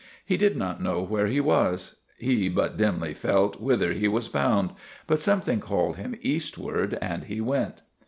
He did not know where he was ; he but dimly felt whither he was bound; but something called him eastward, and he went.